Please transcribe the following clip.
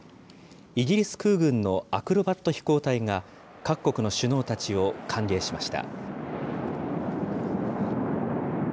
イギリス空軍のアクロバット飛行隊が、各国の首脳たちを歓迎しました。